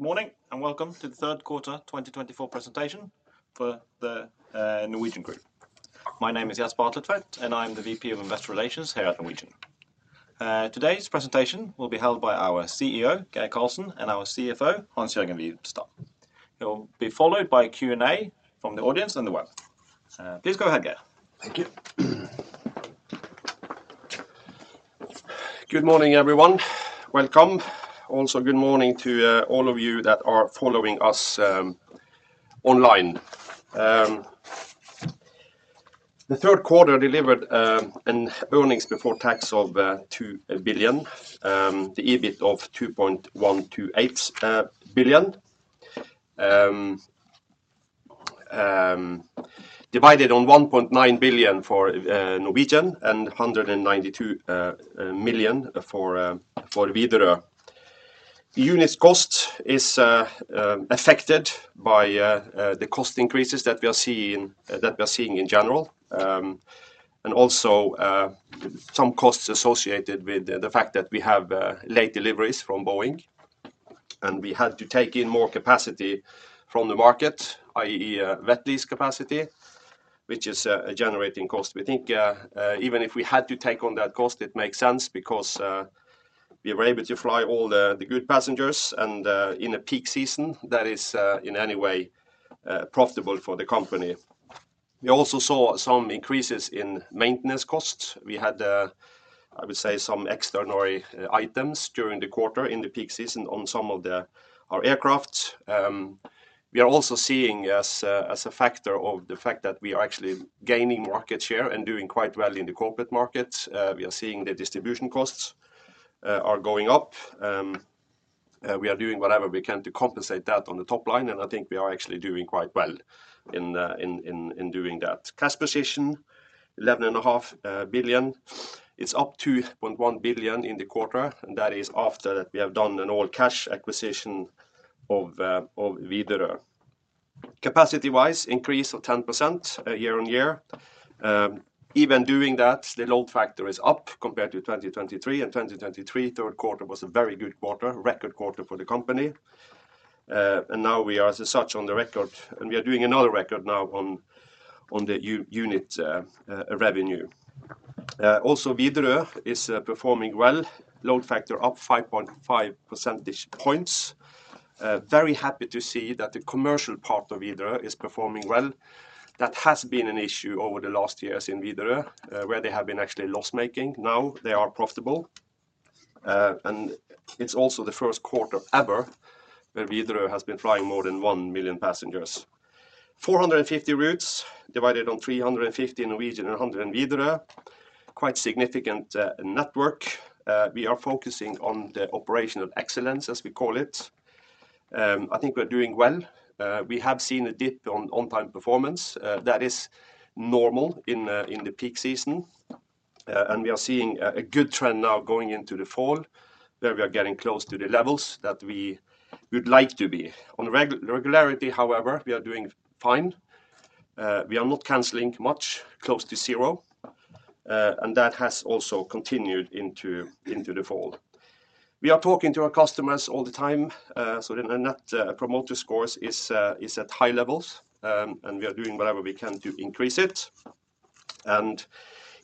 Good morning, and welcome to the third quarter 2024 presentation for the Norwegian Group. My name is Jesper Hatletveit, and I'm the VP of Investor Relations here at Norwegian. Today's presentation will be held by our CEO, Geir Karlsen, and our CFO, Hans-Jørgen Wibstad. It will be followed by a Q&A from the audience and the web. Please go ahead, Geir. Thank you. Good morning, everyone. Welcome. Also, good morning to all of you that are following us online. The third quarter delivered an earnings before tax of 2 billion, the EBIT of 2.128 billion. Divided on 1.9 billion for Norwegian and 192 million for Widerøe. Unit cost is affected by the cost increases that we are seeing in general. Also some costs associated with the fact that we have late deliveries from Boeing, and we had to take in more capacity from the market, i.e., wet lease capacity, which is generating cost. We think, even if we had to take on that cost, it makes sense because we were able to fly all the good passengers, and in a peak season, that is in any way profitable for the company. We also saw some increases in maintenance costs. We had, I would say, some extraordinary items during the quarter in the peak season on some of our aircraft. We are also seeing, as a factor of the fact that we are actually gaining market share and doing quite well in the corporate markets. We are seeing the distribution costs are going up. We are doing whatever we can to compensate that on the top line, and I think we are actually doing quite well in doing that. Cash position, 11.5 billion. It's up 2.1 billion in the quarter, and that is after that we have done an all-cash acquisition of Widerøe. Capacity-wise, increase of 10% year-on-year. Even doing that, the load factor is up compared to 2023, and 2023 third quarter was a very good quarter, record quarter for the company, and now we are, as such, on the record, and we are doing another record now on the unit revenue. Also, Widerøe is performing well. Load factor up 5.5 percentage points. Very happy to see that the commercial part of Widerøe is performing well. That has been an issue over the last years in Widerøe, where they have been actually loss-making. Now, they are profitable, and it's also the first quarter ever where Widerøe has been flying more than one million passengers. 450 routes, divided on 350 Norwegian and 100 in Widerøe. Quite significant network. We are focusing on the operational excellence, as we call it. I think we're doing well. We have seen a dip on on-time performance. That is normal in the peak season, and we are seeing a good trend now going into the fall, where we are getting close to the levels that we would like to be. On regularity, however, we are doing fine. We are not canceling much, close to zero, and that has also continued into the fall. We are talking to our customers all the time, so the Net Promoter Scores is at high levels, and we are doing whatever we can to increase it.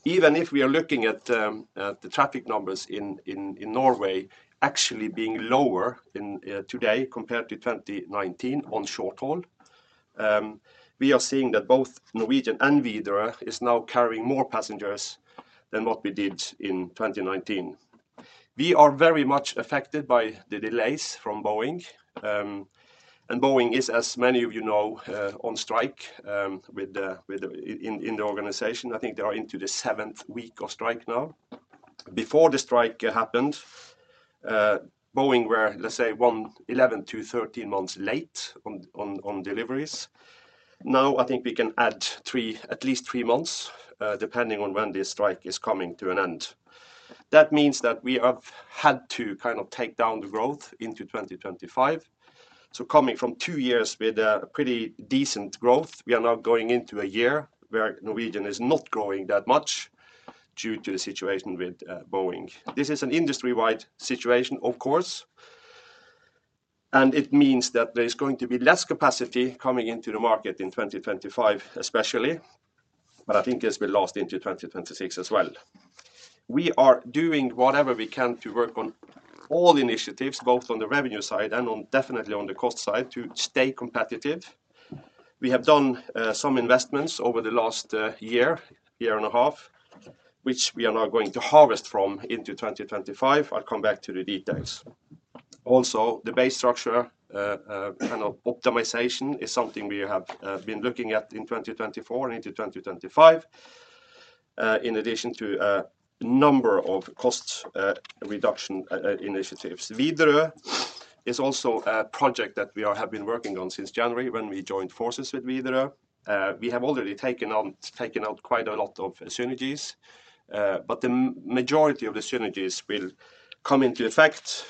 Even if we are looking at the traffic numbers in Norway actually being lower today compared to 2019 on short haul, we are seeing that both Norwegian and Widerøe is now carrying more passengers than what we did in 2019. We are very much affected by the delays from Boeing. And Boeing is, as many of you know, on strike in the organization. I think they are into the seventh week of strike now. Before the strike happened, Boeing were, let's say, 11-13 months late on deliveries. Now, I think we can add at least three months, depending on when the strike is coming to an end. That means that we have had to kind of take down the growth into 2025. So coming from two years with a pretty decent growth, we are now going into a year where Norwegian is not growing that much due to the situation with Boeing. This is an industry-wide situation, of course, and it means that there's going to be less capacity coming into the market in 2025, especially, but I think it's been last into 2026 as well. We are doing whatever we can to work on all initiatives, both on the revenue side and on, definitely on the cost side, to stay competitive. We have done some investments over the last year and a half, which we are now going to harvest from into 2025. I'll come back to the details. Also, the base structure kind of optimization is something we have been looking at in 2024 and into 2025 in addition to a number of cost reduction initiatives. Widerøe is also a project that we have been working on since January, when we joined forces with Widerøe. We have already taken out quite a lot of synergies, but the majority of the synergies will come into effect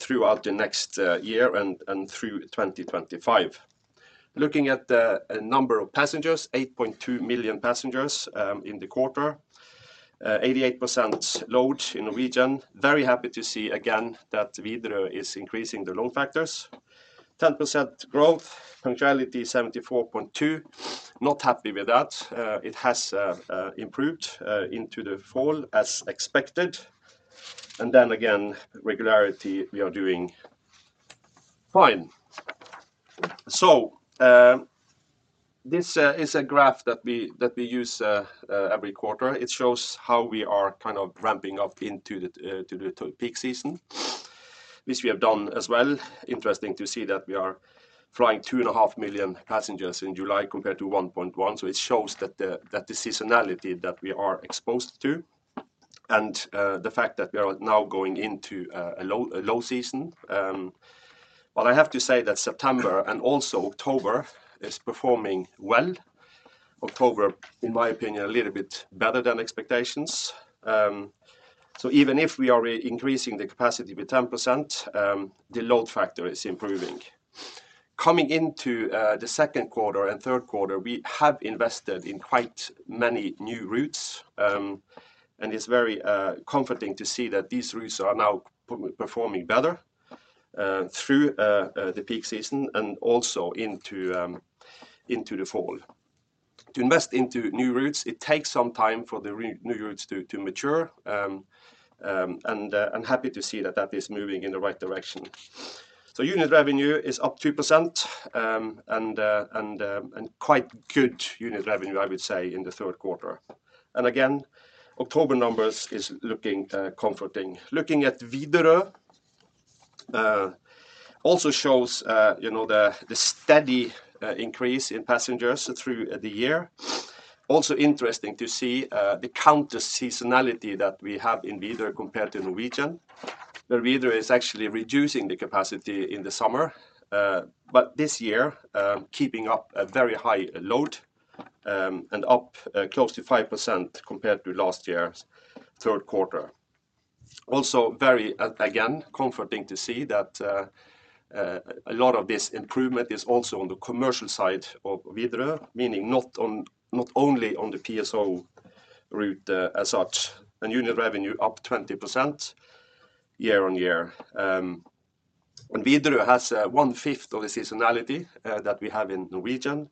throughout the next year and through 2025. Looking at the number of passengers, 8.2 million passengers in the quarter. 88% load in Norwegian. Very happy to see again that Widerøe is increasing the load factors. 10% growth, punctuality 74.2, not happy with that. It has improved into the fall, as expected. Then again, regularity, we are doing fine. This is a graph that we use every quarter. It shows how we are kind of ramping up into the peak season, which we have done as well. Interesting to see that we are flying 2.5 million passengers in July compared to 1.1 million. So it shows that the seasonality that we are exposed to, and the fact that we are now going into a low season, but I have to say that September and also October is performing well. October, in my opinion, a little bit better than expectations. Even if we are increasing the capacity with 10%, the load factor is improving. Coming into the second quarter and third quarter, we have invested in quite many new routes. It's very comforting to see that these routes are now performing better through the peak season and also into the fall. To invest into new routes, it takes some time for the new routes to mature and happy to see that that is moving in the right direction. So unit revenue is up 2%, and quite good unit revenue, I would say, in the third quarter. And again, October numbers is looking comforting. Looking at Widerøe also shows the steady increase in passengers through the year. Also interesting to see the counter seasonality that we have in Widerøe compared to Norwegian, where Widerøe is actually reducing the capacity in the summer. But this year keeping up a very high load and up close to 5% compared to last year's third quarter. Also very again comforting to see that a lot of this improvement is also on the commercial side of Widerøe, meaning not only on the PSO route as such, and unit revenue up 20% year on year. And Widerøe has one fifth of the seasonality that we have in Norwegian.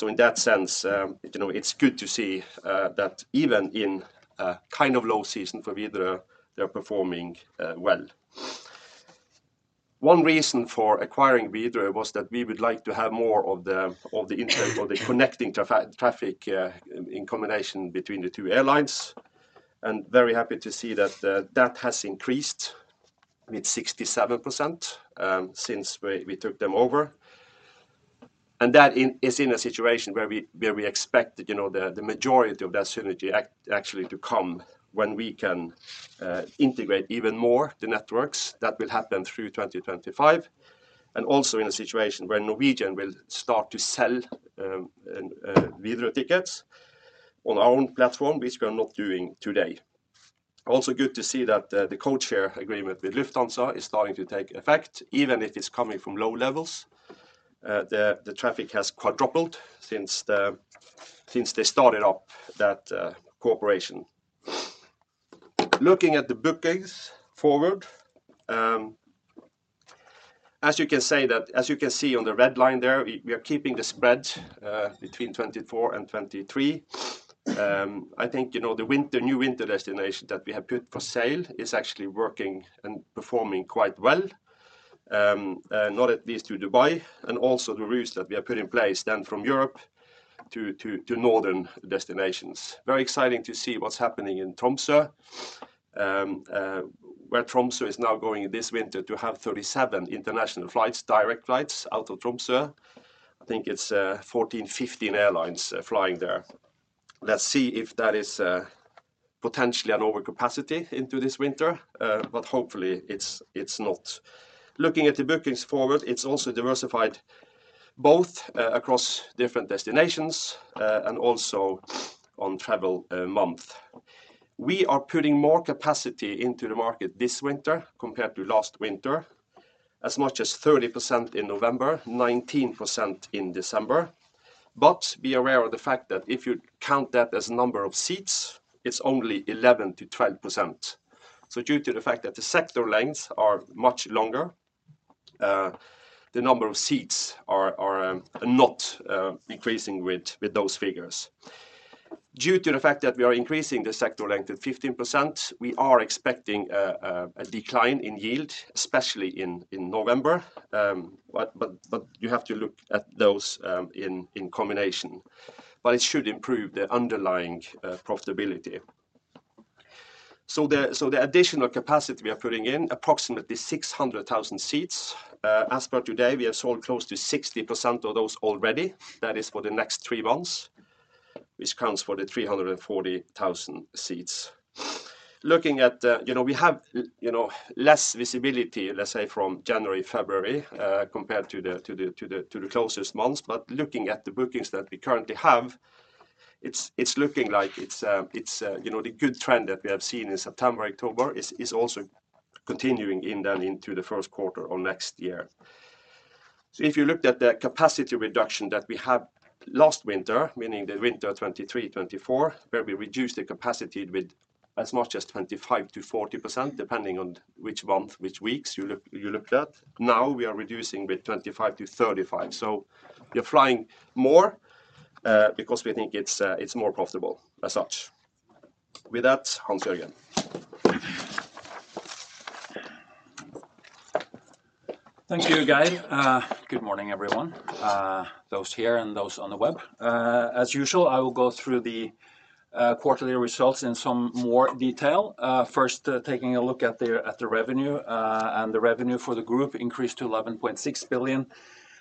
In that sense it's good to see that even in a kind of low season for Widerøe, they're performing well. One reason for acquiring Widerøe was that we would like to have more of the inter- or the connecting traffic in combination between the two airlines, and very happy to see that that has increased with 67% since we took them over. That is in a situation where we expect the majority of that synergy actually to come when we can integrate even more the networks. That will happen through 2025, and also in a situation where Norwegian will start to sell Widerøe tickets on our own platform, which we are not doing today. Also, good to see that the codeshare agreement with Lufthansa is starting to take effect, even if it's coming from low levels. The traffic has quadrupled since they started up that cooperation. Looking at the bookings forward, as you can see on the red line there, we are keeping the spread between 2024 and 2023. I think the new winter destination that we have put for sale is actually working and performing quite well. Not at least to Dubai, and also the routes that we have put in place then from Europe to northern destinations. Very exciting to see what's happening in Tromsø. Where Tromsø is now going this winter to have 37 international flights, direct flights out of Tromsø. I think it's 14, 15 airlines flying there. Let's see if that is potentially an overcapacity into this winter, but hopefully it's not. Looking at the bookings forward, it's also diversified both across different destinations and also on travel month. We are putting more capacity into the market this winter compared to last winter, as much as 30% in November, 19% in December. But be aware of the fact that if you count that as number of seats, it's only 11%-12%. So due to the fact that the sector lengths are much longer, the number of seats are not increasing with those figures. Due to the fact that we are increasing the sector length to 15%, we are expecting a decline in yield, especially in November. But you have to look at those in combination, but it should improve the underlying profitability. The additional capacity we are putting in, approximately 600,000 seats. As per today, we have sold close to 60% of those already. That is for the next three months, which counts for the 340,000 seats. Looking at. We have less visibility, let's say, from January, February compared to the closest months. But looking at the bookings that we currently have, it's looking like it's. You know, the good trend that we have seen in September, October is also continuing then into the first quarter of next year. So if you looked at the capacity reduction that we had last winter, meaning the winter 2023, 2024, where we reduced the capacity with as much as 25%-40%, depending on which month, which weeks you look at, now we are reducing with 25-35%. So we are flying more because we think it's more profitable as such. With that, Hans-Jørgen. Thank you, Geir. Good morning, everyone, those here and those on the web. As usual, I will go through the quarterly results in some more detail. First, taking a look at the revenue, and the revenue for the group increased to 11.6 billion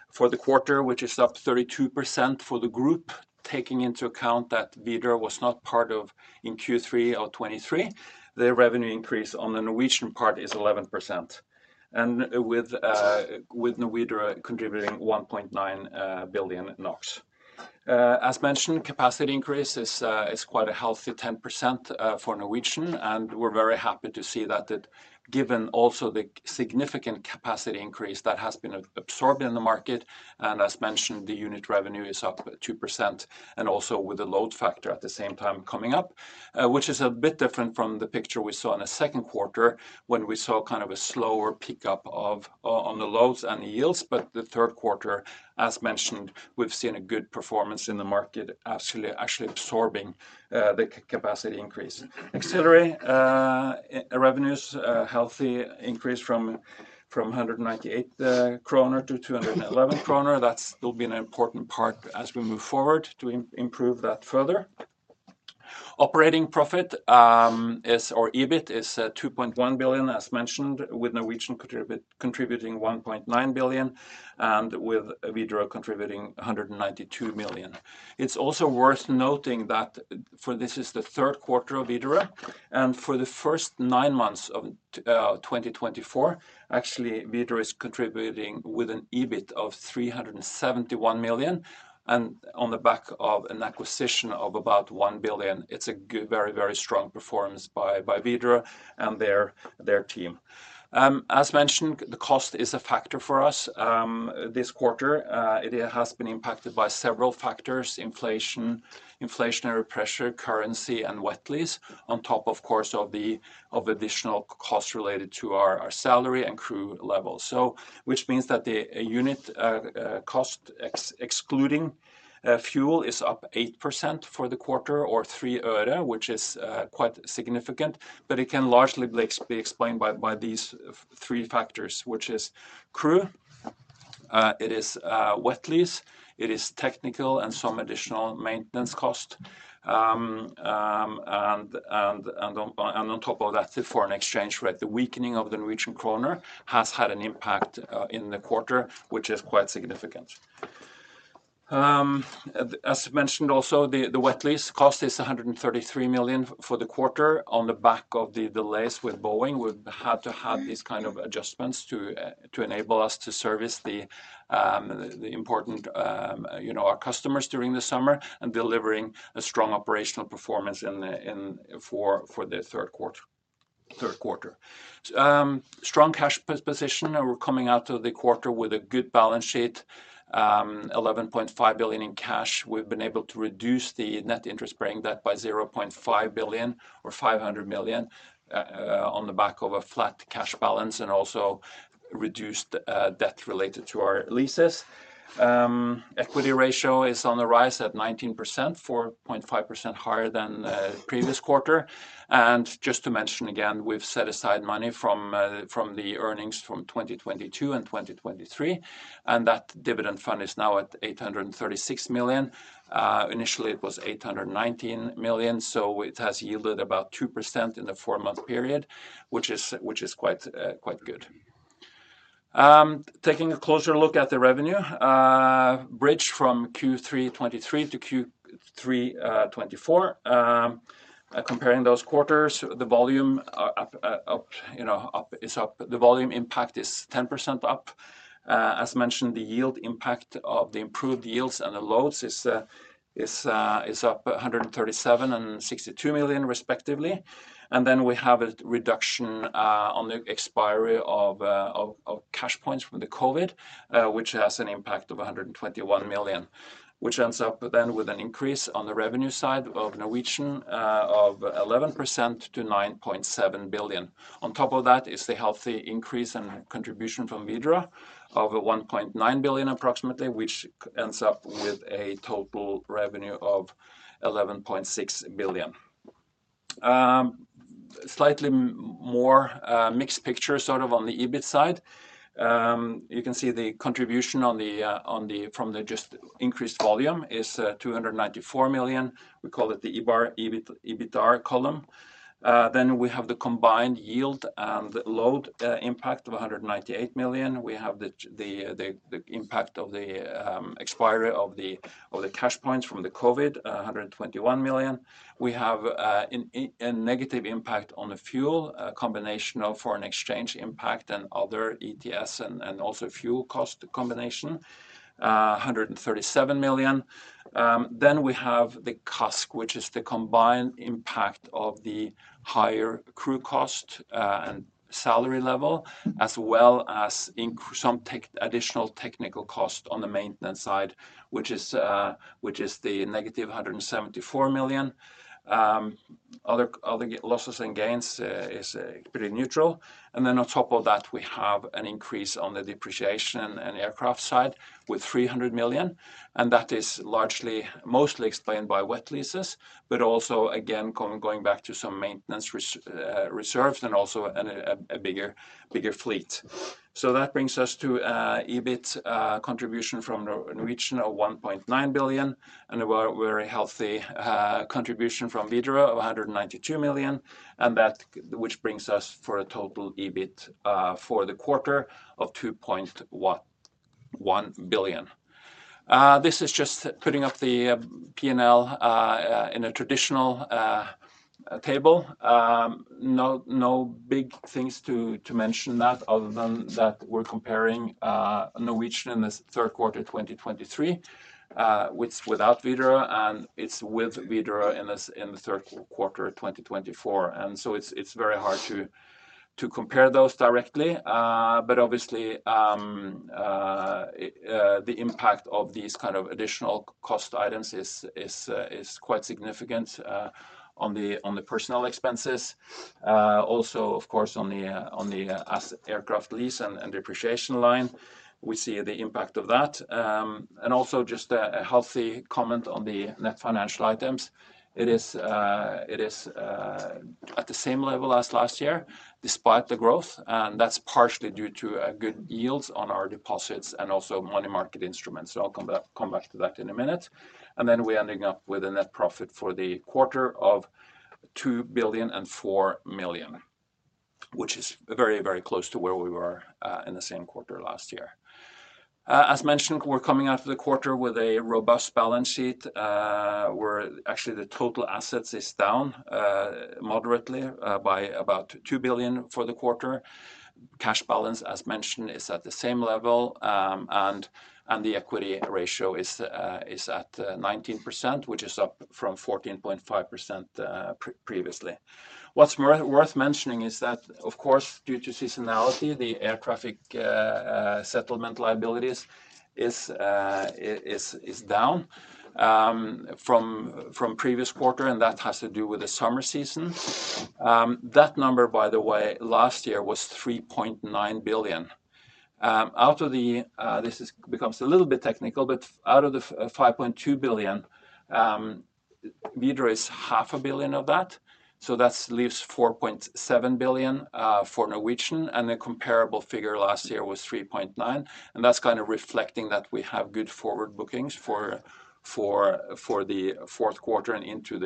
for the quarter, which is up 32% for the group. Taking into account that Widerøe was not part of in Q3 of 2023, the revenue increase on the Norwegian part is 11%, and with Widerøe contributing 1.9 billion NOK. As mentioned, capacity increase is quite a healthy 10%, for Norwegian, and we're very happy to see that, that given also the significant capacity increase that has been absorbed in the market, and as mentioned, the unit revenue is up by 2%, and also with the load factor at the same time coming up. Which is a bit different from the picture we saw in the second quarter, when we saw kind of a slower pick-up of, on the loads and the yields, but the third quarter, as mentioned, we've seen a good performance in the market, actually absorbing the capacity increase. Ancillary revenues, a healthy increase from 198-211 kroner. That's still be an important part as we move forward to improve that further. Operating profit, or EBIT is 2.1 billion, as mentioned, with Norwegian contributing 1.9 billion, and with Widerøe contributing 192 million. It's also worth noting that this is the third quarter of Widerøe, and for the first nine months of 2024, actually, Widerøe is contributing with an EBIT of 371 million, and on the back of an acquisition of about 1 billion. It's a good, very, very strong performance by Widerøe and their team. As mentioned, the cost is a factor for us. This quarter, it has been impacted by several factors: inflation, inflationary pressure, currency, and wet lease, on top of course, of the additional costs related to our salary and crew levels. Which means that the unit cost excluding fuel is up 8% for the quarter, or NOK 0.03 øre, which is quite significant, but it can largely be explained by these three factors, which is crew, wet lease, technical and some additional maintenance cost. And on top of that, the foreign exchange rate, the weakening of the Norwegian kroner has had an impact in the quarter, which is quite significant. As mentioned also, the wet lease cost is 133 million for the quarter on the back of the delays with Boeing. We've had to have these kind of adjustments to enable us to service the important you know our customers during the summer, and delivering a strong operational performance in for the third quarter. Strong cash position, and we're coming out of the quarter with a good balance sheet, 11.5 billion in cash. We've been able to reduce the net interest-bearing debt by 0.5 billion or 500 million on the back of a flat cash balance, and also reduced debt related to our leases. Equity ratio is on the rise at 19%, 4.5% higher than previous quarter. Just to mention again, we've set aside money from the earnings from 2022 and 2023, and that dividend fund is now at 836 million. Initially, it was 819 million, so it has yielded about 2% in the four-month period, which is quite good. Taking a closer look at the revenue bridge from Q3 2023 to Q3 2024. Comparing those quarters, the volume is up, you know. The volume impact is 10% up. As mentioned, the yield impact of the improved yields and the loads is up 137 million and 62 million, respectively. Then we have a reduction on the expiry of CashPoints from the COVID, which has an impact of 121 million, which ends up then with an increase on the revenue side of Norwegian of 11% to 9.7 billion. On top of that is the healthy increase in contribution from Widerøe of 1.9 billion, approximately, which ends up with a total revenue of 11.6 billion. Slightly more mixed picture sort of on the EBIT side. You can see the contribution from the just increased volume is 294 million. We call it the EBIT, EBITDAR column. Then we have the combined yield and load impact of 198 million. We have the impact of the expiry of the CashPoints from the COVID, 121 million. We have a negative impact on the fuel, a combination of foreign exchange impact and other ETS and also fuel cost combination, 137 million. Then we have the CASK, which is the combined impact of the higher crew cost and salary level, as well as some additional technical cost on the maintenance side, which is the -174 million. Other losses and gains is pretty neutral. Then on top of that, we have an increase on the depreciation and aircraft side with 300 million, and that is largely, mostly explained by wet leases, but also again, going back to some maintenance reserves and also a bigger fleet. So that brings us to EBIT contribution from Norwegian of 1.9 billion, and a very healthy contribution from Widerøe of 192 million, and which brings us for a total EBIT for the quarter of 2.1 billion. This is just putting up the P&L in a traditional table. No big things to mention that, other than that we're comparing Norwegian in this third quarter of 2023 without Widerøe, and it's with Widerøe in the third quarter of 2024. It's very hard to compare those directly. Obviously, the impact of these kind of additional cost items is quite significant on the personnel expenses. Also, of course, on the aircraft lease and depreciation line, we see the impact of that. Also just a healthy comment on the net financial items. It is at the same level as last year, despite the growth, and that's partially due to good yields on our deposits and also money market instruments. I'll come back to that in a minute. Then we're ending up with a net profit for the quarter of 2 billion and 4 million, which is very, very close to where we were in the same quarter last year. As mentioned, we're coming out of the quarter with a robust balance sheet. Actually, the total assets is down moderately by about 2 billion for the quarter. Cash balance, as mentioned, is at the same level, and the equity ratio is at 19%, which is up from 14.5% previously. What's worth mentioning is that, of course, due to seasonality, the air traffic settlement liabilities is down from previous quarter, and that has to do with the summer season. That number, by the way, last year was 3.9 billion. This becomes a little bit technical, but out of the 5.2 billion, Widerøe is 0.5 billion of that, so that leaves 4.7 billion for Norwegian, and the comparable figure last year was 3.9 billion, and that's kind of reflecting that we have good forward bookings for the fourth quarter and into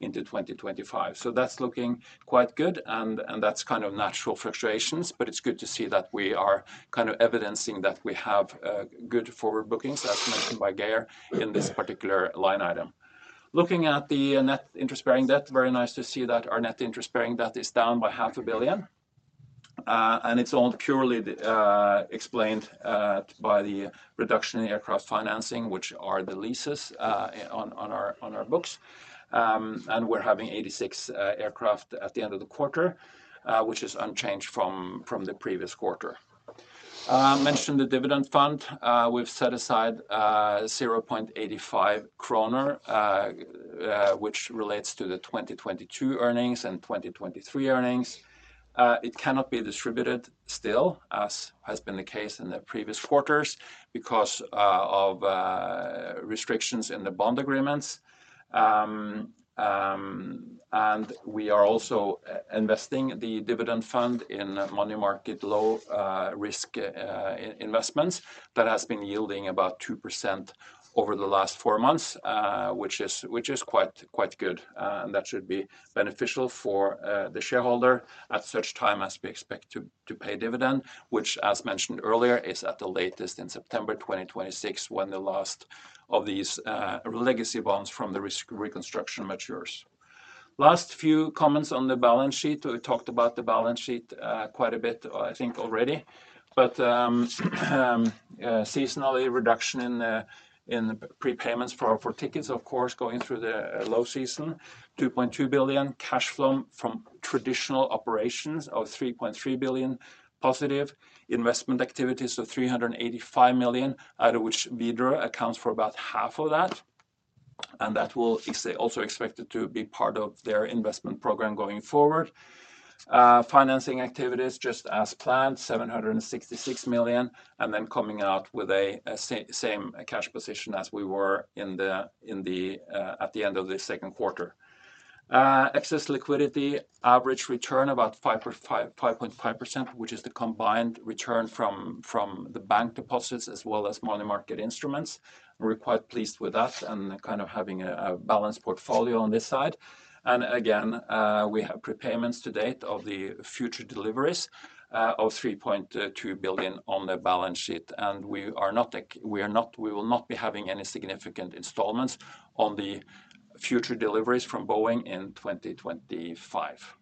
2025. That's looking quite good, and that's kind of natural fluctuations, but it's good to see that we are kind of evidencing that we have good forward bookings, as mentioned by Geir, in this particular line item. Looking at the net interest-bearing debt, very nice to see that our net interest-bearing debt is down by 500 million, and it's all purely explained by the reduction in aircraft financing, which are the leases, on our books. We're having 86 aircraft at the end of the quarter, which is unchanged from the previous quarter. Mentioned the dividend fund. We've set aside 0.85 kroner, which relates to the 2022 earnings and 2023 earnings. It cannot be distributed still, as has been the case in the previous quarters, because of restrictions in the bond agreements. We are also investing the dividend fund in money market low risk investments that has been yielding about 2% over the last four months, which is quite good, and that should be beneficial for the shareholder at such time as we expect to pay dividend, which, as mentioned earlier, is at the latest in September 2026, when the last of these legacy bonds from the rescue reconstruction matures. Last few comments on the balance sheet. We talked about the balance sheet quite a bit, I think already. But seasonally, reduction in the prepayments for tickets, of course, going through the low season. 2.2 billion cash flow from traditional operations of 3.3 billion, positive investment activities of 385 million, out of which Widerøe accounts for about half of that, and that will also be expected to be part of their investment program going forward. Financing activities just as planned, 766 million, and then coming out with a same cash position as we were in the at the end of the second quarter. Excess liquidity, average return about 5.5%, which is the combined return from the bank deposits as well as money market instruments. We're quite pleased with that, and kind of having a balanced portfolio on this side. Again, we have prepayments to date of the future deliveries of 3.2 billion on the balance sheet, and we are not we will not be having any significant installments on the future deliveries from Boeing in 2025.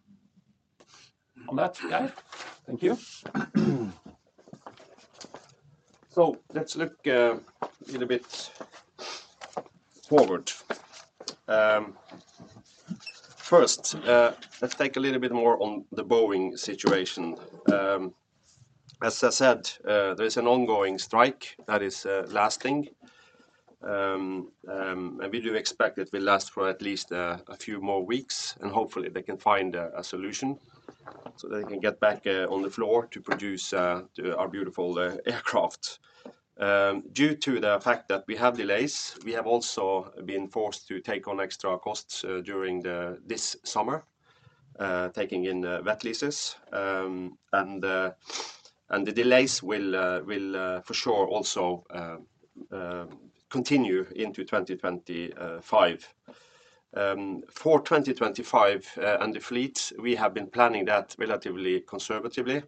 On that, Geir. thank you. So let's look a little bit forward. First, let's take a little bit more on the Boeing situation. As I said, there is an ongoing strike that is lasting. We do expect it will last for at least a few more weeks, and hopefully they can find a solution, so they can get back on the floor to produce our beautiful aircraft. Due to the fact that we have delays, we have also been forced to take on extra costs during this summer, taking in wet leases. The delays will, for sure, also continue into 2025. For 2025, and the fleet, we have been planning that relatively conservatively.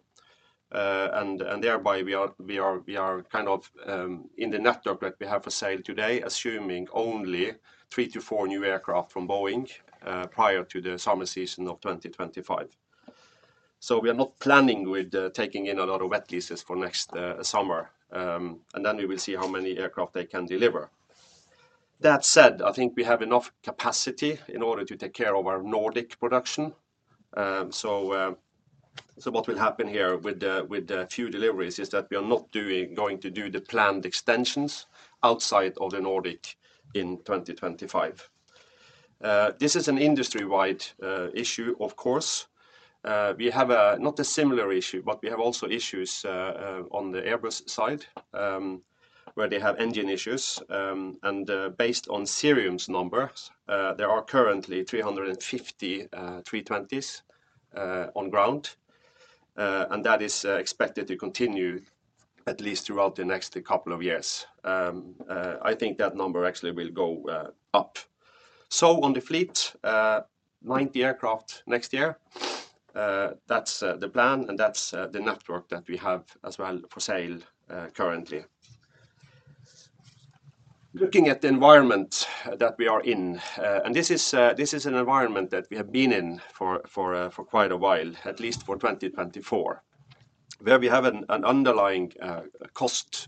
Thereby we are kind of in the network that we have for sale today, assuming only three to four new aircraft from Boeing prior to the summer season of 2025. We are not planning with taking in a lot of wet leases for next summer, and then we will see how many aircraft they can deliver. That said, I think we have enough capacity in order to take care of our Nordic production. What will happen here with the few deliveries is that we are not going to do the planned extensions outside of the Nordic in 2025. This is an industry-wide issue, of course. We have a, not a similar issue, but we have also issues on the Airbus side, where they have engine issues. Based on Cirium's numbers, there are currently 350 320s on ground. That is expected to continue at least throughout the next couple of years. I think that number actually will go up. On the fleet, ninety aircraft next year, that's the plan and that's the network that we have as well for sale currently. Looking at the environment that we are in, and this is an environment that we have been in for quite a while, at least for 2024, where we have an underlying cost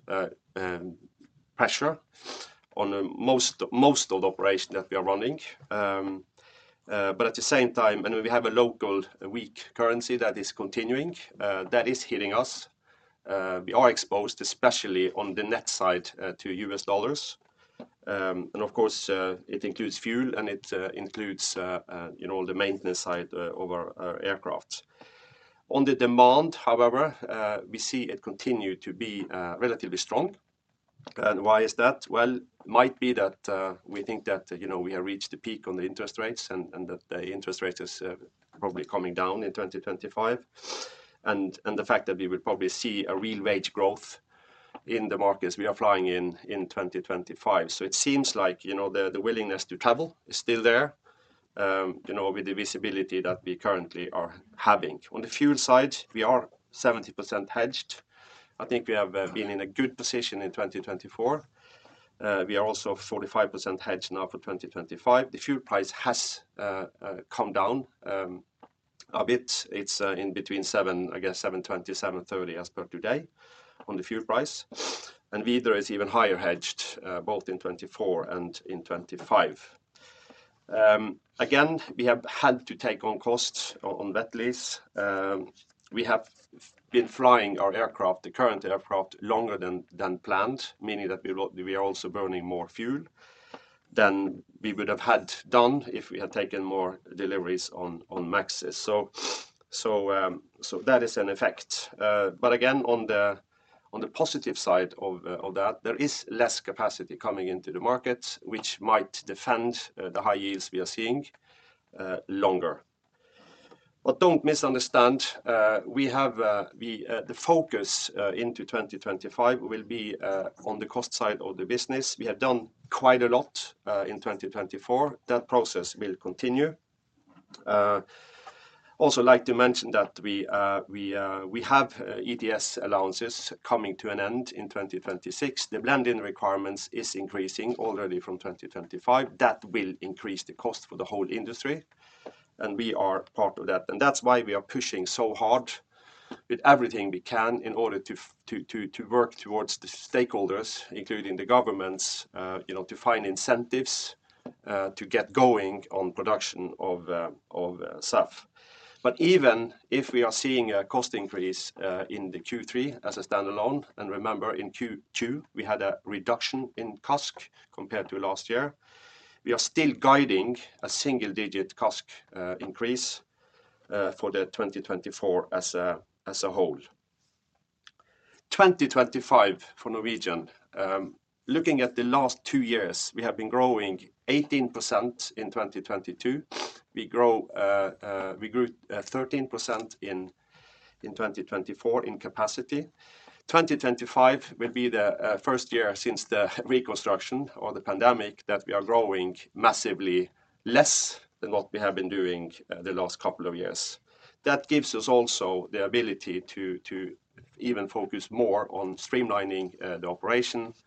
pressure on most of the operation that we are running. But at the same time, and we have a local weak currency that is continuing that is hitting us. We are exposed, especially on the net side, to US dollars. Of course, it includes fuel and it includes you know the maintenance side of our aircraft. On the demand, however, we see it continue to be relatively strong. Why is that? Well, might be that we think that we have reached the peak on the interest rates and that the interest rate is probably coming down in 2025. And the fact that we will probably see a real wage growth in the markets we are flying in, in 2025. So it seems like the willingness to travel is still there with the visibility that we currently are having. On the fuel side, we are 70% hedged. I think we have been in a good position in 2024. We are also 45% hedged now for 2025. The fuel price has come down a bit. It's in between $7, I guess $7.20-$7.30 as per today on the fuel price. Widerøe is even higher hedged, both in 2024 and in 2025. Again, we have had to take on costs on wet lease. We have been flying our aircraft, the current aircraft, longer than planned, meaning that we are also burning more fuel than we would have had done if we had taken more deliveries on MAXs. So that is an effect. But again, on the positive side of that, there is less capacity coming into the market, which might defend the high yields we are seeing longer. But don't misunderstand, the focus into 2025 will be on the cost side of the business. We have done quite a lot in 2024. That process will continue. Also like to mention that we have ETS allowances coming to an end in 2026. The blending requirements is increasing already from 2025. That will increase the cost for the whole industry, and we are part of that, and that's why we are pushing so hard with everything we can in order to to work towards the stakeholders, including the governments to find incentives to get going on production of SAF. But even if we are seeing a cost increase in the Q3 as a standalone, and remember in Q2, we had a reduction in CASK compared to last year, we are still guiding a single-digit CASK increase for the 2024 as a whole. 2025 for Norwegian, looking at the last two years, we have been growing 18% in 2022. We grew 13% in 2024 in capacity. 2025 will be the first year since the reconstruction or the pandemic, that we are growing massively less than what we have been doing the last couple of years. That gives us also the ability to even focus more on streamlining the operations,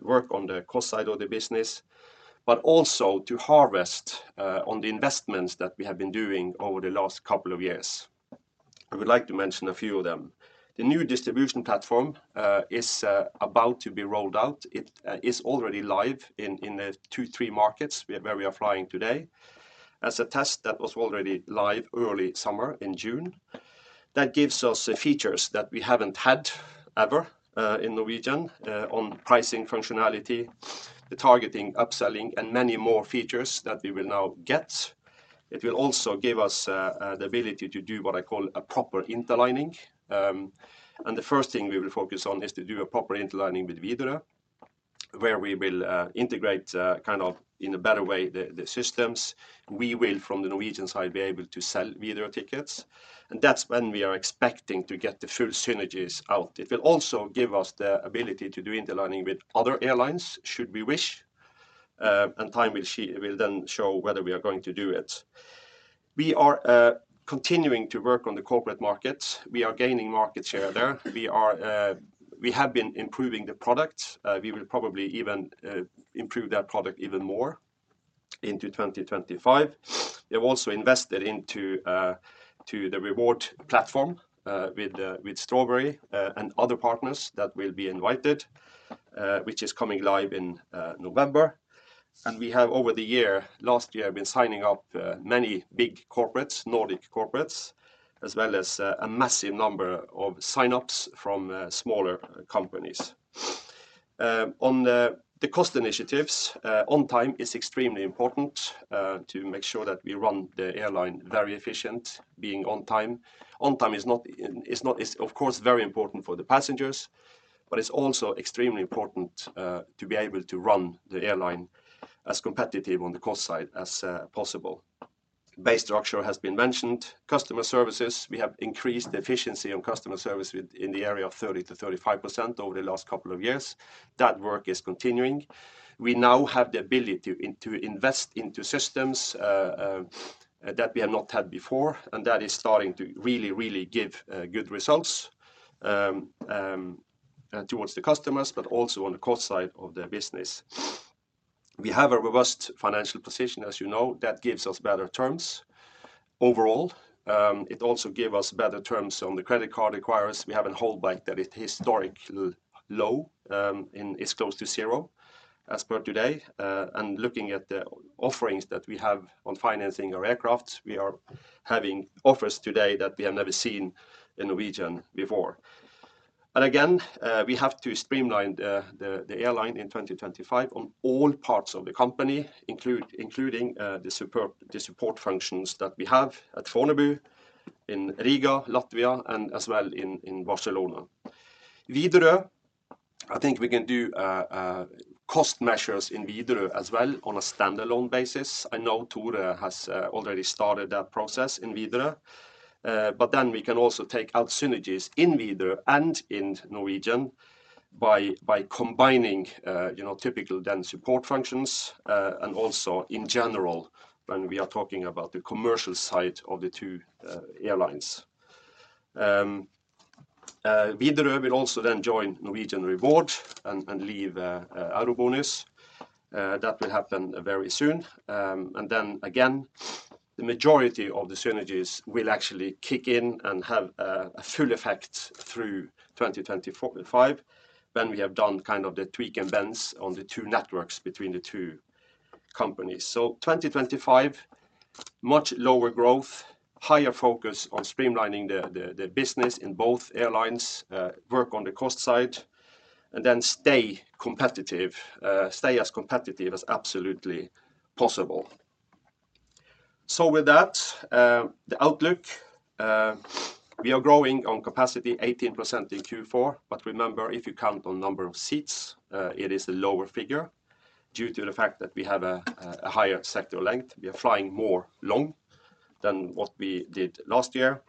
work on the cost side of the business, but also to harvest on the investments that we have been doing over the last couple of years. I would like to mention a few of them. The new distribution platform is about to be rolled out. It is already live in the two, three markets where we are flying today. As a test, that was already live early summer in June. That gives us the features that we haven't had ever in Norwegian on pricing functionality, the targeting, upselling, and many more features that we will now get. It will also give us the ability to do what I call a proper interlining. The first thing we will focus on is to do a proper interlining with Widerøe, where we will integrate kind of in a better way the systems. We will from the Norwegian side be able to sell Widerøe tickets, and that's when we are expecting to get the full synergies out. It will also give us the ability to do interlining with other airlines, should we wish, and time will then show whether we are going to do it. We are continuing to work on the corporate markets. We are gaining market share there. We have been improving the product. We will probably even improve that product even more into 2025. We have also invested into the reward platform with Strawberry and other partners that will be invited, which is coming live in November. We have, over the year, last year, been signing up many big corporates, Nordic corporates, as well as a massive number of sign-ups from smaller companies. On the cost initiatives, on time is extremely important to make sure that we run the airline very efficient, being on time. On time is, of course, very important for the passengers, but it's also extremely important to be able to run the airline as competitive on the cost side as possible. Base structure has been mentioned. Customer services, we have increased efficiency on customer service in the area of 30%-35% over the last couple of years. That work is continuing. We now have the ability to invest into systems that we have not had before, and that is starting to really give good results towards the customers, but also on the cost side of the business. We have a robust financial position, as you know. That gives us better terms overall. It also give us better terms on the credit card acquirers. We have a holdback that is historically low, and it's close to zero as per today. Looking at the offerings that we have on financing our aircraft, we are having offers today that we have never seen in Norwegian before. Again, we have to streamline the airline in 2025 on all parts of the company, including the support functions that we have at Fornebu, in Riga, Latvia, and as well in Barcelona. Widerøe, I think we can do cost measures in Widerøe as well on a standalone basis. I know Tore has already started that process in Widerøe, but then we can also take out synergies in Widerøe and in Norwegian by combining typical then support functions, and also in general, when we are talking about the commercial side of the two airlines. Widerøe will also then join Norwegian Reward and leave EuroBonus. That will happen very soon. And then again, the majority of the synergies will actually kick in and have a full effect through 2024-2025, when we have done kind of the tweak and bends on the two networks between the two companies. So 2025, much lower growth, higher focus on streamlining the business in both airlines, work on the cost side, and then stay competitive, stay as competitive as absolutely possible. With that, the outlook, we are growing on capacity 18% in Q4. But remember, if you count on number of seats, it is a lower figure due to the fact that we have a higher sector length. We are flying more long than what we did last year.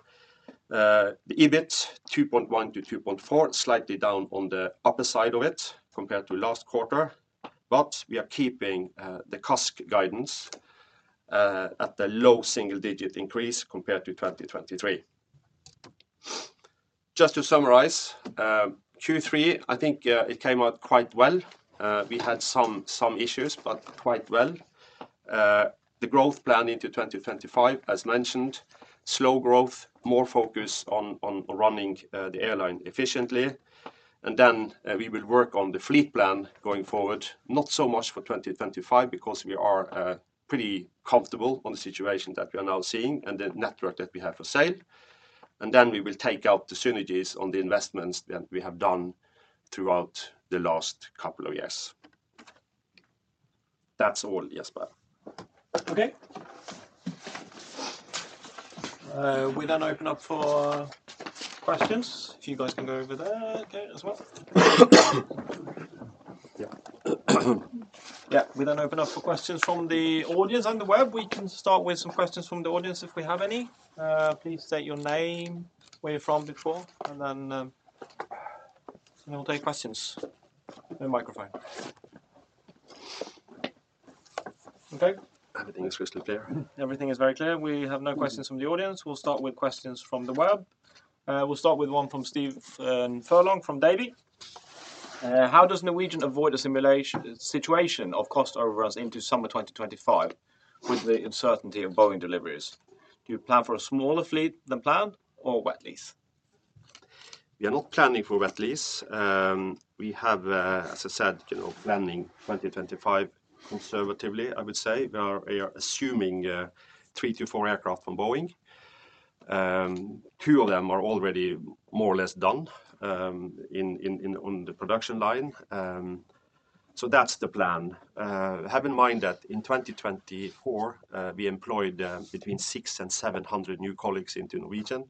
The EBIT, 2.1-2.4, slightly down on the upper side of it compared to last quarter, but we are keeping the CASK guidance at the low single-digit increase compared to 2023. Just to summarize, Q3, I think, it came out quite well. We had some issues, but quite well. The growth plan into 2025, as mentioned, slow growth, more focus on running the airline efficiently. Then we will work on the fleet plan going forward, not so much for 2025, because we are pretty comfortable on the situation that we are now seeing and the network that we have for sale and then we will take out the synergies on the investments that we have done throughout the last couple of years. That's all, Jesper. Okay? We then open up for questions. If you guys can go over there, okay, as well. Yeah, we then open up for questions from the audience on the web. We can start with some questions from the audience, if we have any. Please state your name, where you're from before, and then, and we'll take questions. No microphone. Okay? Everything is crystal clear. Everything is very clear. We have no questions from the audience. We'll start with questions from the web. We'll start with one from Stephen Furlong from Davy. How does Norwegian avoid a situation of cost overruns into summer 2025 with the uncertainty of Boeing deliveries? Do you plan for a smaller fleet than planned or wet lease? We are not planning for wet lease. We have, as I said planning 2025 conservatively, I would say. We are assuming three to four aircraft from Boeing. Two of them are already more or less done in on the production line. So that's the plan. Have in mind that in 2024, we employed between 600-700 new colleagues into Norwegian.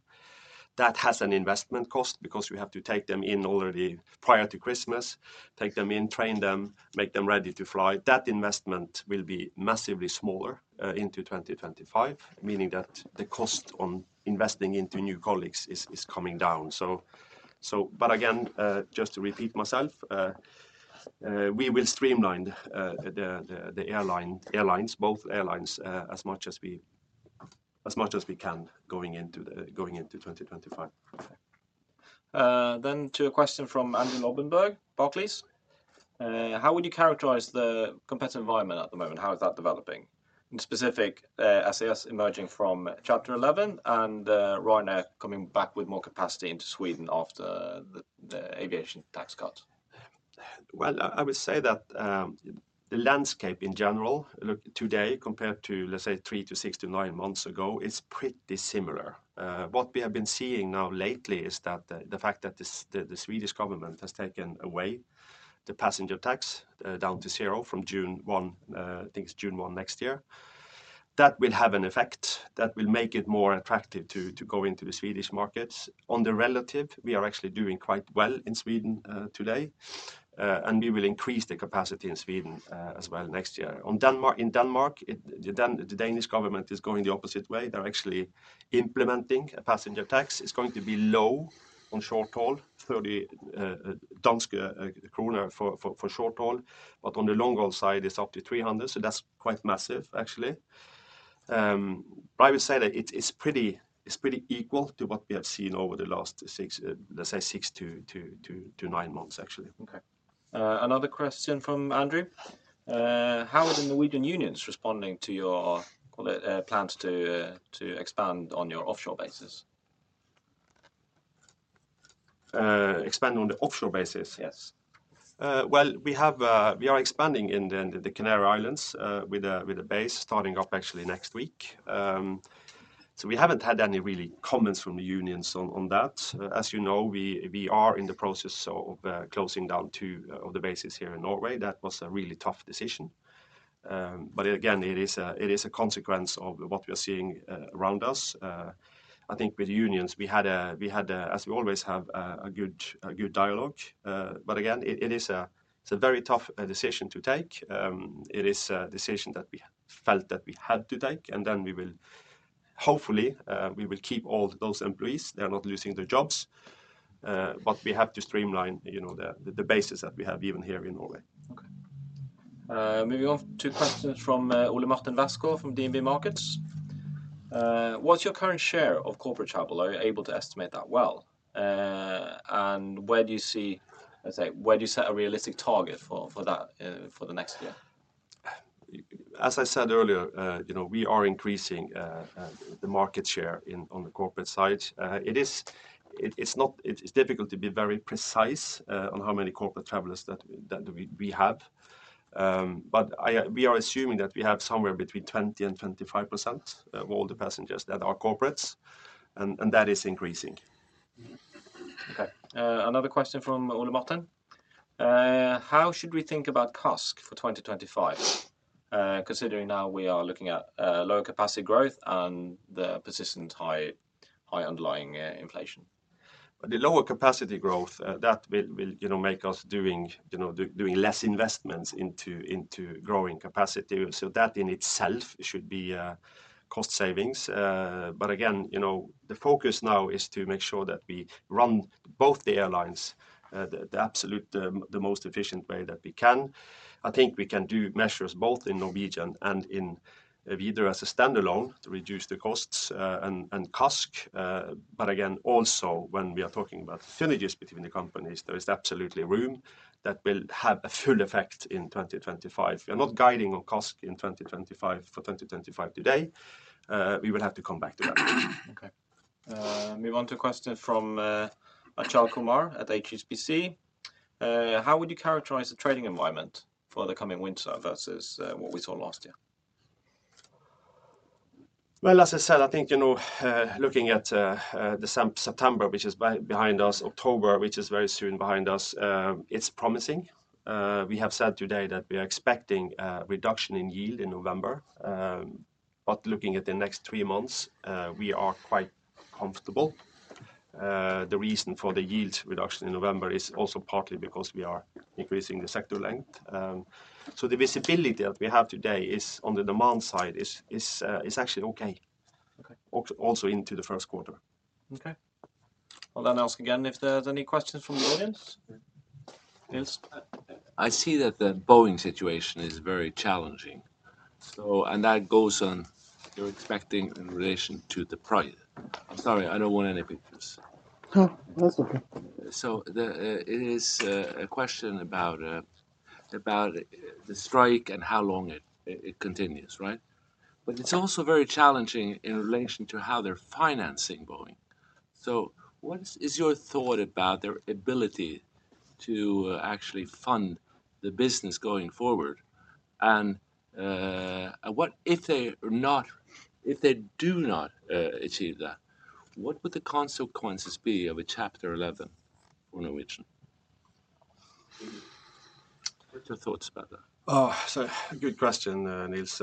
That has an investment cost because we have to take them in already prior to Christmas, train them, make them ready to fly. That investment will be massively smaller into 2025, meaning that the cost on investing into new colleagues is coming down. But again, just to repeat myself, we will streamline the airlines, both airlines, as much as we can going into 2025. Then, to a question from Andrew Lobbenberg, Barclays. How would you characterize the competitive environment at the moment? How is that developing? Specifically, I see us emerging from Chapter 11 and Ryanair coming back with more capacity into Sweden after the aviation tax cut. I would say that the landscape in general, look, today, compared to, let's say, three to six to nine months ago, is pretty similar. What we have been seeing now lately is that the fact that the Swedish government has taken away the passenger tax down to zero from June 1, I think it's June one next year. That will have an effect that will make it more attractive to go into the Swedish markets. Relatively, we are actually doing quite well in Sweden today, and we will increase the capacity in Sweden as well next year. In Denmark, the Danish government is going the opposite way. They're actually implementing a passenger tax. It's going to be low on short-haul, 30 kroner for short-haul, but on the long-haul side, it's up to 300, so that's quite massive, actually, but I would say that it's pretty equal to what we have seen over the last six, let's say six to nine months, actually. Okay. Another question from Andrew. How are the Norwegian unions responding to your plans to expand on your offshore bases? Expand on the offshore bases? Yes. Well, we have, we are expanding in the Canary Islands with a base starting up actually next week. We haven't had any really comments from the unions on that. As you know, we are in the process of closing down two of the bases here in Norway. That was a really tough decision. But again, it is a consequence of what we are seeing around us. I think with the unions, as we always have, a good dialogue. But again, it's a very tough decision to take. It is a decision that we felt that we had to take, and then we will hopefully keep all those employees. They are not losing their jobs, but we have to streamline the bases that we have even here in Norway. Okay. Moving on to questions from Ole Martin Westgaard from DNB Markets. What's your current share of corporate travel? Are you able to estimate that well? And where do you see, let's say, where do you set a realistic target for that for the next year? As I said earlier we are increasing the market share on the corporate side. It's difficult to be very precise on how many corporate travelers that we have, but we are assuming that we have somewhere between 20% and 25% of all the passengers that are corporates, and that is increasing. Okay, another question from Ole Martin. How should we think about CASK for 2025, considering now we are looking at lower capacity growth and the persistent high underlying inflation? The lower capacity growth, that will make us doing less investments into growing capacity. So that in itself should be cost savings. But again the focus now is to make sure that we run both the airlines, the absolute, the most efficient way that we can. I think we can do measures both in Norwegian and in Widerøe as a standalone to reduce the costs, and CASK, but again, also when we are talking about synergies between the companies, there is absolutely room that will have a full effect in 2025. We are not guiding on CASK in twenty twenty-five, for 2025 today. We will have to come back to that. Okay. Move on to a question from Achal Kumar at HSBC. How would you characterize the trading environment for the coming winter versus what we saw last year? As I said, I think looking at December, September, which is behind us, October, which is very soon behind us, it's promising. We have said today that we are expecting a reduction in yield in November. Looking at the next three months, we are quite comfortable. The reason for the yield reduction in November is also partly because we are increasing the sector length. The visibility that we have today is, on the demand side, actually okay. Okay. Also, into the first quarter. Okay. I'll then ask again if there's any questions from the audience? Yes. I see that the Boeing situation is very challenging. So... and that goes on, you're expecting in relation to the price. I'm sorry, I don't want any pictures. No, that's okay. It is a question about the strike and how long it continues, right? But it's also very challenging in relation to how they're financing Boeing. So what is your thought about their ability to actually fund the business going forward? And, if they do not achieve that, what would the consequences be of a Chapter 11 on Norwegian? What's your thoughts about that? Oh, so good question, Nils.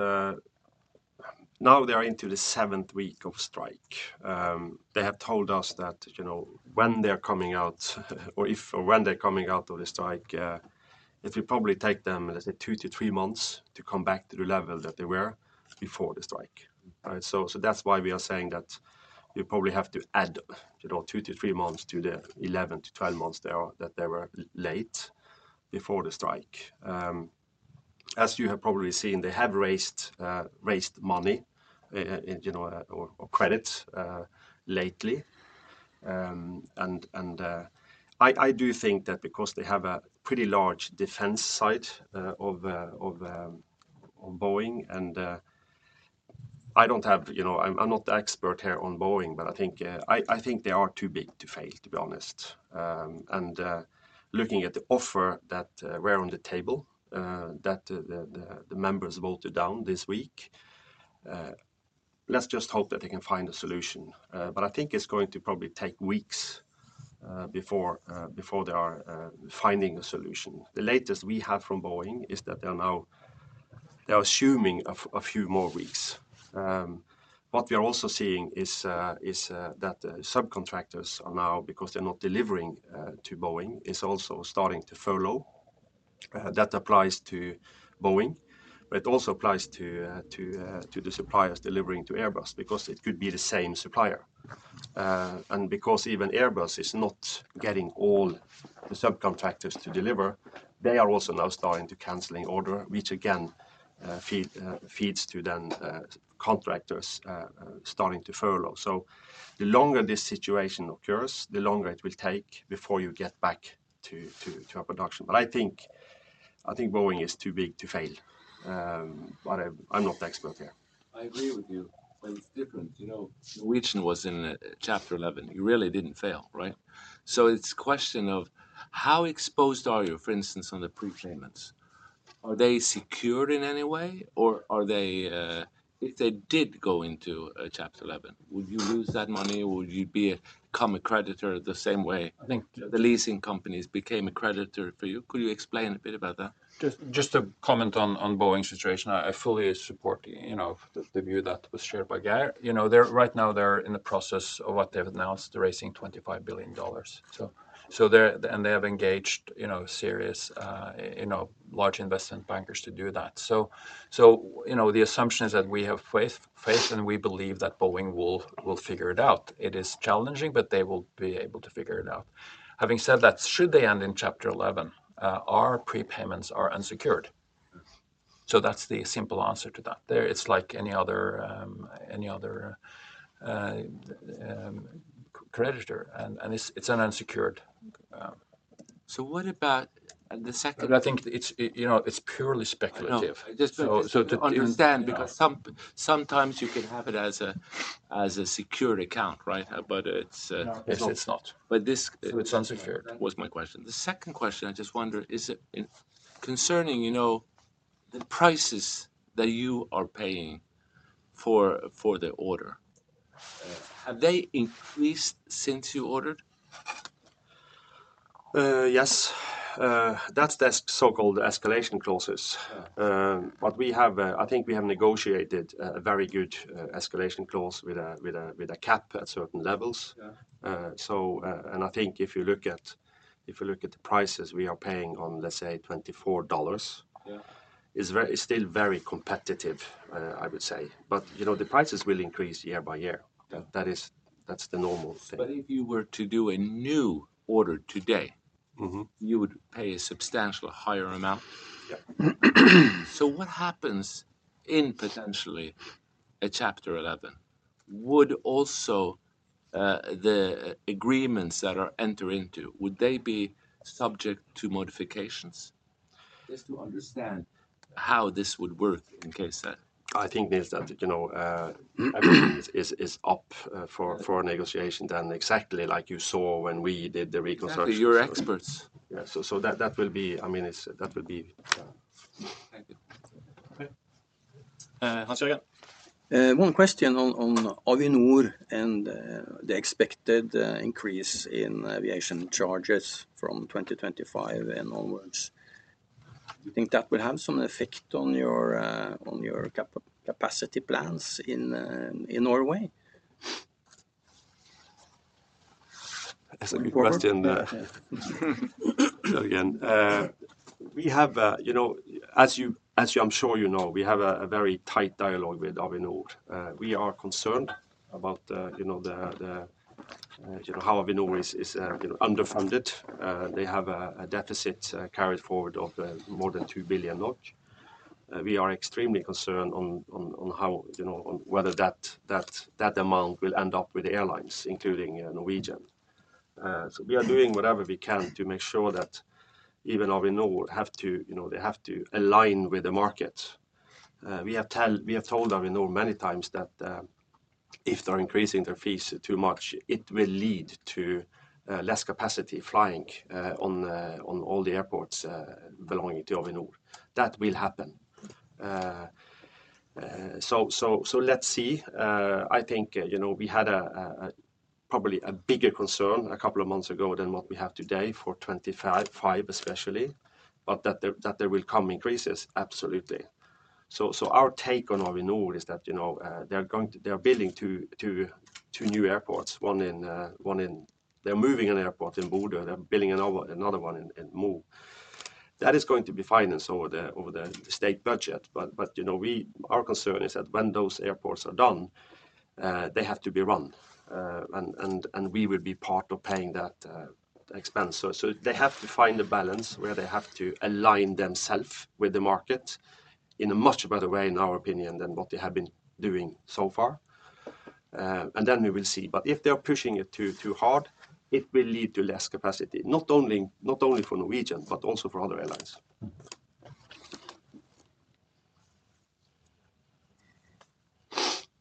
Now they are into the seventh week of strike. They have told us that when they're coming out, or if or when they're coming out of the strike, it will probably take them, let's say, two to three months to come back to the level that they were before the strike. So that's why we are saying that we probably have to add two to three months to the 11-12 months they are- that they were late before the strike. As you have probably seen, they have raised money or credit, lately. I do think that because they have a pretty large defense side of Boeing, and I don't have... I'm not the expert here on Boeing, but I think I think they are too big to fail, to be honest, and looking at the offer that were on the table that the members voted down this week, let's just hope that they can find a solution, but I think it's going to probably take weeks before before they are finding a solution. The latest we have from Boeing is that they are now they are assuming a few more weeks. What we are also seeing is that subcontractors are now, because they're not delivering to Boeing, is also starting to furlough. That applies to Boeing, but it also applies to the suppliers delivering to Airbus, because it could be the same supplier. Because even Airbus is not getting all the subcontractors to deliver, they are also now starting to cancel orders, which again feeds through to the contractors starting to furlough. So the longer this situation occurs, the longer it will take before you get back to a production. But I think Boeing is too big to fail. But I'm not the expert here. I agree with you, but it's different. You know, Norwegian was in Chapter 11. It really didn't fail, right? So it's a question of how exposed are you, for instance, on the prepayments? Are they secured in any way, or are they... If they did go into Chapter 11, would you lose that money or would you become a creditor the same way- I think- The leasing companies became a creditor for you? Could you explain a bit about that? Just to comment on Boeing's situation, I fully support the view that was shared by Geir. You know, right now they're in the process of what they've announced, they're raising $25 billion. So the assumption is that we have faith and we believe that Boeing will figure it out. It is challenging, but they will be able to figure it out. Having said that, should they end in Chapter 11, our prepayments are unsecured. So that's the simple answer to that. It's like any other creditor, and it's an unsecured. So what about the second- But I think it's it's purely speculative. I know. So the- Just to understand- Yeah Because sometimes you can have it as a secured account, right? But it's No. Yes, it's not. But this- So it's unsecured.... was my question. The second question, I just wonder, is it... concerning the prices that you are paying for the order, have they increased since you ordered? Yes. That's the so-called escalation clauses. But, I think we have negotiated a very good escalation clause with a cap at certain levels. I think if you look at the prices we are paying on, let's say, $24 is very, it's still very competitive, I would say. but the prices will increase year by year. That's the normal thing. But if you were to do a new order today. Mm-hmm. You would pay a substantial higher amount? Yeah. What happens in potentially a Chapter 11? Would the agreements that are entered into also be subject to modifications? Just to understand how this would work in case that. I think, Nils, that everything is up for negotiation, then exactly like you saw when we did the reconstruction. Exactly, you're experts. Yeah, so that will be. I mean, it's that will be. Thank you. Okay. Hans-Jørgen? One question on Avinor and the expected increase in aviation charges from 2025 and onwards. Do you think that will have some effect on your capacity plans in Norway? That's a good question. Again, we have as you I'm sure you know, we have a very tight dialogue with Avinor. We are concerned about how Avinor is underfunded. They have a deficit carried forward of more than two billion NOK. We are extremely concerned on how on whether that amount will end up with airlines, including Norwegian. So we are doing whatever we can to make sure that even Avinor have to they have to align with the market. We have told Avinor many times that if they're increasing their fees too much, it will lead to less capacity flying on all the airports belonging to Avinor. That will happen. So let's see. I think we had probably a bigger concern a couple of months ago than what we have today for 2025, especially, but there will come increases, absolutely. Our take on Avinor is that they're building two new airports, one in. They're moving an airport in Bodø, and they're building another one in Mo. That is going to be financed over the state budget. But our concern is that when those airports are done, they have to be run, and we will be part of paying that expense. So they have to find a balance where they have to align themselves with the market in a much better way, in our opinion, than what they have been doing so far and then we will see. But if they're pushing it too hard, it will lead to less capacity. Not only for Norwegian, but also for other airlines.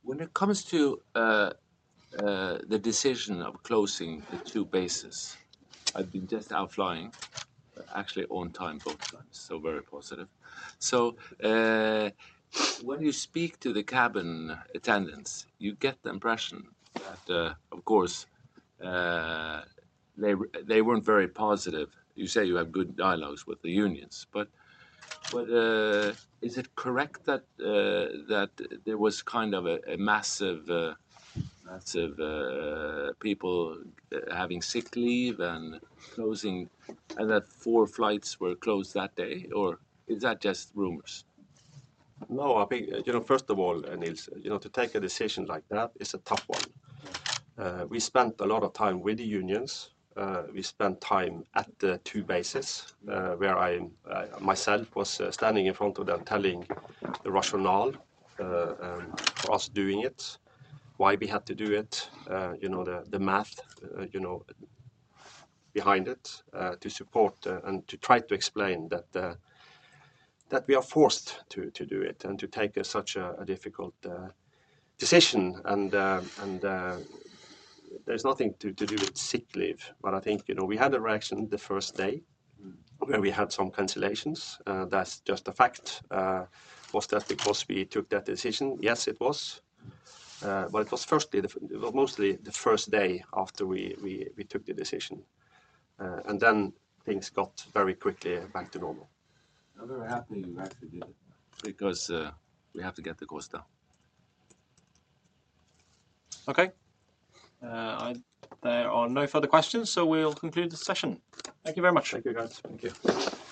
When it comes to the decision of closing the two bases, I've been just out flying actually on time, both times, so very positive. When you speak to the cabin attendants, you get the impression that of course they weren't very positive. You say you have good dialogues with the unions, but is it correct that there was kind of a massive people having sick leave and closing, and that four flights were closed that day? Or is that just rumors? No, I think, first of all, nils to take a decision like that is a tough one. We spent a lot of time with the unions. We spent time at the two bases, where I myself was standing in front of them, telling the rationale for us doing it, why we had to do it the math you know behind it. To support and to try to explain that we are forced to do it, and to take such a difficult decision, and there's nothing to do with sick leave. But I think we had a reaction the first day. Where we had some cancellations, that's just a fact. Was that because we took that decision? Yes, it was. But it was firstly, mostly the first day after we took the decision, and then things got very quickly back to normal. I'm very happy you guys did it, because, we have to get the cost down. Okay. There are no further questions, so we'll conclude the session. Thank you very much. Thank you, guys. Thank you.